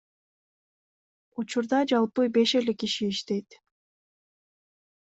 Учурда жалпы беш эле киши иштейт.